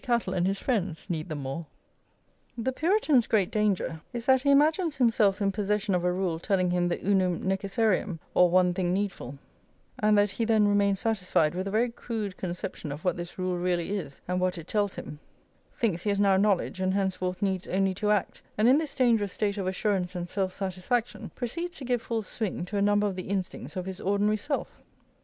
Cattle and his friends, need them more? The Puritan's great danger is that he imagines himself in possession of a rule telling him the unum necessarium, or one thing needful,+ and that he then remains satisfied with a very crude conception of what this rule really is and what it tells him, thinks he has now knowledge and henceforth needs only to act, and, in this dangerous state of assurance and self satisfaction, proceeds to give full swing to a number of the instincts of his ordinary self.